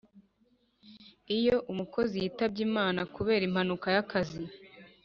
iyo umukozi yitabye imana kubera impanuka y‟akazi